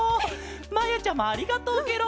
まやちゃまありがとうケロ！